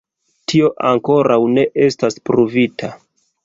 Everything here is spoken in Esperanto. Tio ankoraŭ ne estas pruvita.